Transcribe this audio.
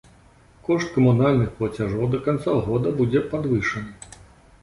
Кошт камунальных плацяжоў да канца года будзе падвышаны.